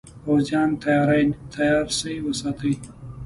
پوځیان تیار سی وساتي.